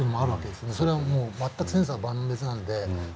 それはもう全く千差万別なんで。